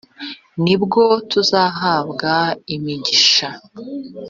ni bwo tuzahabwa imigisha